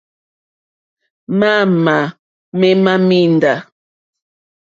Mǎǃáámà mémá míndǎ.